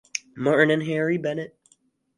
Martin and Harry Bennett.